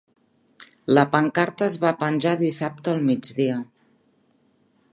La pancarta es va penjar dissabte al migdia